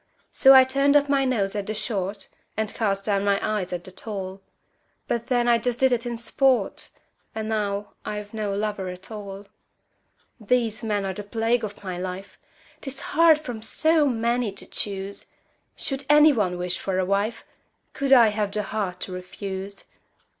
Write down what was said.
So I turned up my nose at the short, And cast down my eyes at the tall; But then I just did it in sport And now I've no lover at all! These men are the plague of my life: 'Tis hard from so many to choose! Should any one wish for a wife, Could I have the heart to refuse?